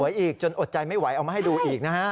อีกจนอดใจไม่ไหวเอามาให้ดูอีกนะฮะ